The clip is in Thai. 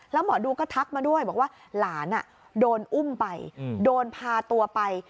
แล้วหมอดูก็ทักมาด้วยบอกว่าหลานโดนอุ้มไปโดนพาตัวไป